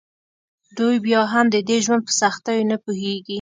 دوی بیا هم د دې ژوند په سختیو نه پوهیږي